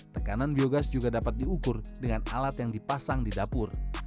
tekanan biogas juga dapat diukur dengan alat yang dipasang di dapur